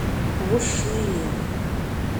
Ɣuccen-iyi.